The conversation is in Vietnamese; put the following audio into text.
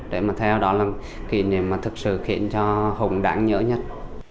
để mà theo đó là kỷ niệm mà thực sự khiến cho hùng đáng nhớ nhất